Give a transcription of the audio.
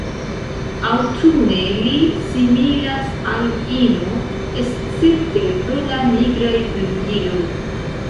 Aŭtune li similas al ino escepte pro la nigraj flugiloj.